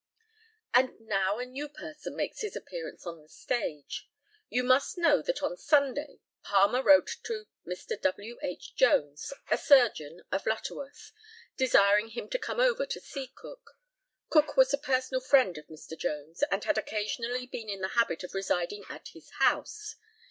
And now a new person makes his appearance on the stage. You must know that on Sunday, Palmer wrote to Mr. W. H. Jones, a surgeon, of Lutterworth, desiring him to come over to see Cook. Cook was a personal friend of Mr. Jones, and had occasionally been in the habit of residing at his house.